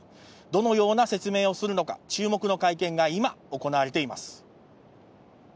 どのような説明をするのか、注目の会見が今、行われています。